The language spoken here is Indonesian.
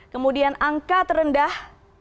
kemudian angka terendah